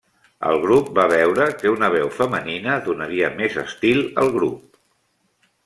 El grup va veure que una veu femenina donaria més estil al grup.